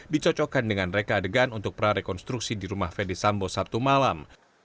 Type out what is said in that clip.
dicocokkan dengan reka adegan untuk prarekonstruksi di rumah fede sambo sabtu malam